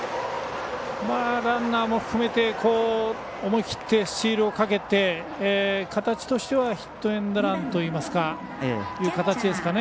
ランナーも含めて思い切ってスチールをかけて形としてはヒットエンドランという形ですかね。